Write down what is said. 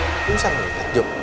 jok itu bisa lagi takjub